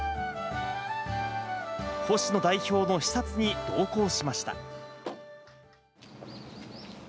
星野代表の視察に同行しました。